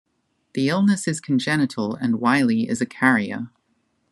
The illness is congenital and Whiley is a carrier.